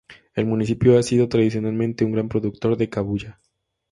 El municipio ha sido tradicionalmente un gran productor de cabuya.